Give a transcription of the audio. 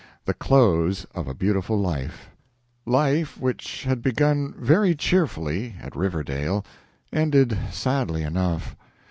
THE CLOSE OF A BEAUTIFUL LIFE Life which had begun very cheerfully at Riverdale ended sadly enough.